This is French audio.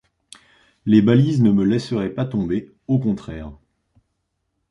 Les balises ne me laisseraient pas tomber, au contraire.